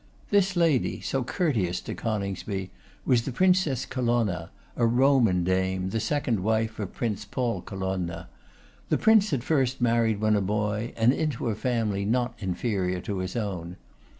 This lady, so courteous to Coningsby, was the Princess Colonna, a Roman dame, the second wife of Prince Paul Colonna. The prince had first married when a boy, and into a family not inferior to his own.